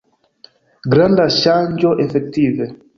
Granda ŝanĝo, efektive.